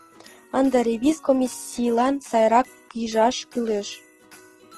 Ынде ревиз комиссийлан сайрак пижаш кӱлеш.